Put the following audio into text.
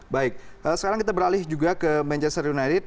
baik sekarang kita beralih juga ke manchester united